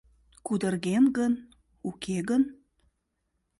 Кудырген гын, уке гын?